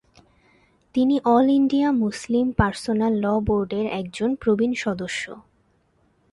তিনি all India Muslim personal law বোর্ডের একজন প্রবীণ সদস্য।